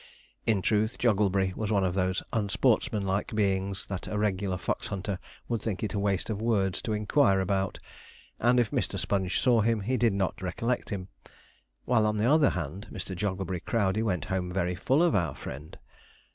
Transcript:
In truth, Jogglebury was one of those unsportsmanlike beings, that a regular fox hunter would think it waste of words to inquire about, and if Mr. Sponge saw him, he did not recollect him; while, on the other hand, Mr. Jogglebury Crowdey went home very full of our friend.